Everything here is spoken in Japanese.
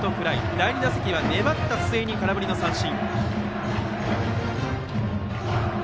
第２打席は粘った末に空振り三振。